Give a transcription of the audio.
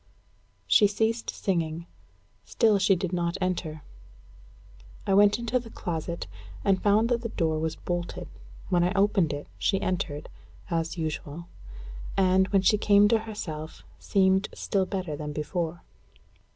She ceased singing. Still she did not enter. I went into the closet, and found that the door was bolted. When I opened it, she entered, as usual; and, when she came to herself, seemed still better than before.